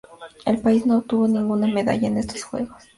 El país no obtuvo ninguna medalla en estos Juegos.